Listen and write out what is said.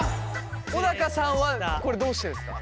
小高さんはこれどうしてですか？